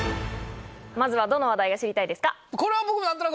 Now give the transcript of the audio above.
まずはどの話題が知りたいですか？